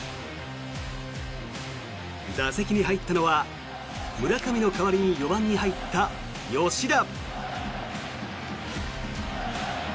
打席に入ったのは村上の代わりに４番に入った吉田。